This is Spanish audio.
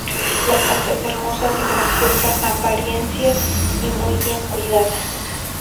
La casa es hermosa, de graciosa apariencia y muy bien cuidada.